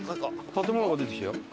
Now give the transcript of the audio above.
建物が出てきたよ。